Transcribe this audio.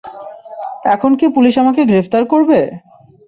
এখন কি পুলিশ আমাকে গ্রেফতার করবে?